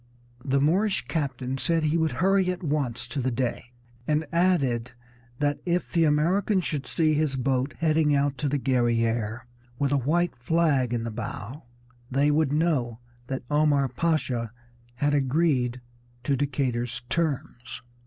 The Moorish captain said he would hurry at once to the Dey, and added that if the Americans should see his boat heading out to the Guerrière with a white flag in the bow they would know that Omar Pasha had agreed to Decatur's terms.